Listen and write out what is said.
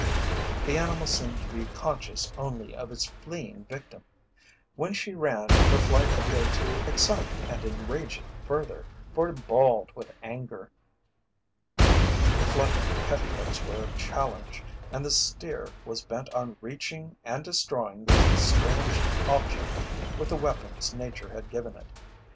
The animal seemed to be conscious only of its fleeing victim. When she ran, her flight appeared to excite and enrage it further, for it bawled with anger. The fluttering petticoats were a challenge, and the steer was bent on reaching and destroying the strange object with the weapons nature had given it.